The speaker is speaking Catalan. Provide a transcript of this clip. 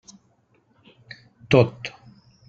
Tot.